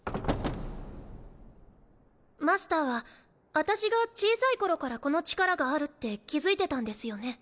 マスターは私が小さい頃からこの力があるって気付いてたんですよね？